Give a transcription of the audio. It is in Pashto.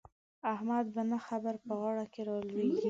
احمد په نه خبره په غاړه کې را لوېږي.